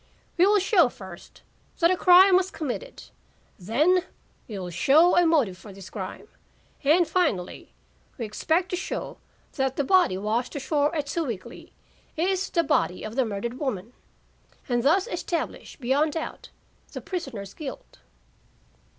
"We will show first that a crime was committed; then we will show a motive for this crime, and, finally, we expect to show that the body washed ashore at Sewickley is the body of the murdered woman, and thus establish beyond doubt the prisoner's guilt."